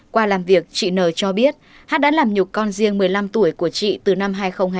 qua làm việc chị n cho biết hát đã làm nhục con riêng một mươi năm tuổi của chị từ năm hai nghìn hai mươi